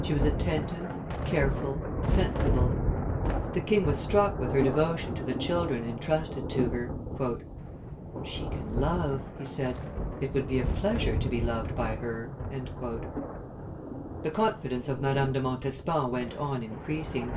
She was attentive, careful, sensible. The king was struck with her devotion to the children intrusted to her. "She can love," he said; "it would be a pleasure to be loved by her." The confidence of Madame de Montespan went on increasing.